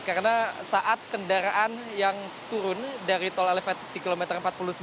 karena saat kendaraan yang turun dari tol elevated di kilometer empat puluh sembilan